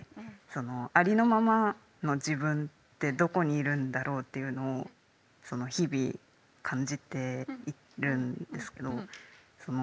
ありのままの自分ってどこにいるんだろうというのを日々感じているんですけど。